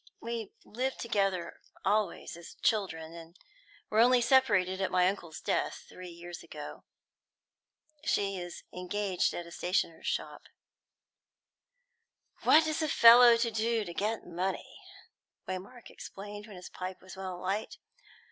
"We lived together always as children, and were only separated at my uncle's death, three years ago. She is engaged at a stationer's shop." "What is a fellow to do to get money?" Waymark exclaimed, when his pipe was well alight.